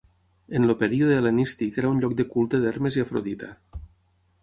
En el període hel·lenístic era un lloc de culte d'Hermes i Afrodita.